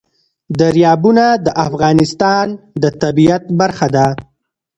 دریابونه د افغانستان د طبیعت برخه ده.